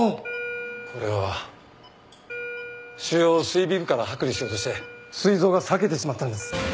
これは腫瘍を膵尾部から剥離しようとして膵臓が裂けてしまったんです。